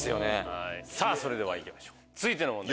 それではいきましょう続いての問題